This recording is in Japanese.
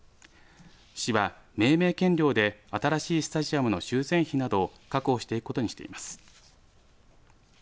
市は命名権料で新しいスタジアムの修繕費などを確保していくことにしています。